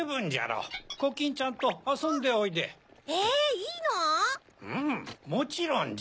うんもちろんじゃ。